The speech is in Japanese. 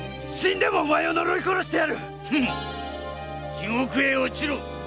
地獄へ堕ちろ！